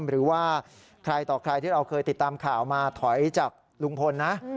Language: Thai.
หรือว่าใครต่อใครที่เราเคยติดตามข่าวมาถอยจากลุงพลนะ